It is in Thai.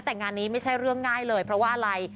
แต่งานนี้ไม่ใช่เรื่องง่ายเลยเพราะว่าอะไร